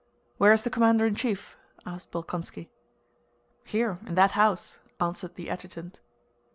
"Where is the commander in chief?" asked Bolkónski. "Here, in that house," answered the adjutant.